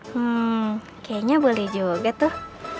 hmm kayaknya boleh juga tuh